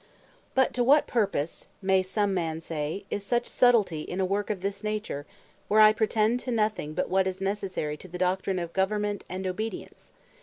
But to what purpose (may some man say) is such subtilty in a work of this nature, where I pretend to nothing but what is necessary to the doctrine of Government and Obedience?